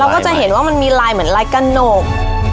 ก็จะเห็นว่ามันมีลายเหมือนลายกระหนก